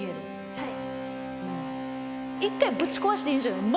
はい。